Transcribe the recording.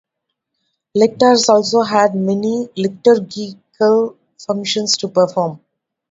Lectors also had many liturgical functions to perform.